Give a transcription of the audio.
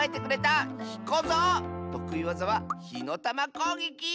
とくいわざはひのたまこうげき！